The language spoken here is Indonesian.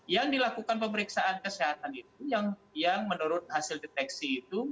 yang dilakukan pemeriksaan kesehatan itu yang menurut hasil deteksi itu